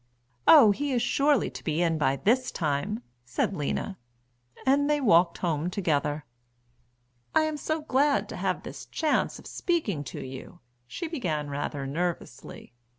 "Oh, he is sure to be in by this time," said Lena. And they walked home together. "I am so glad to have this chance of speaking to you," she began rather nervously.